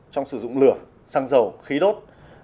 trong sử dụng lửa xăng dầu khí đốt